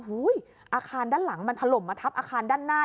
อาคารด้านหลังมันถล่มมาทับอาคารด้านหน้า